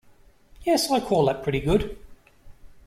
Yes, I call that pretty good.